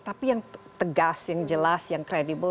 tapi yang tegas yang jelas yang kredibel